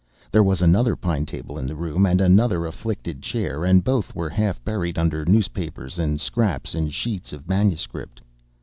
There was another pine table in the room and another afflicted chair, and both were half buried under newspapers and scraps and sheets of manuscript.